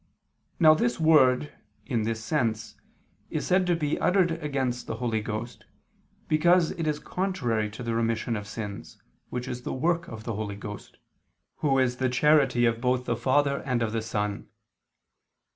Now this word, in this sense, is said to be uttered against the Holy Ghost, because it is contrary to the remission of sins, which is the work of the Holy Ghost, Who is the charity both of the Father and of the Son.